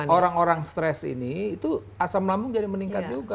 orang orang stres ini itu asam lambung jadi meningkat juga